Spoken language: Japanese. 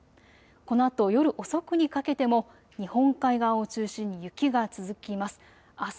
このあと夜遅くにかけても日本海側を中心に雪が続きます。